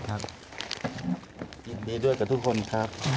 อันนี้ครับ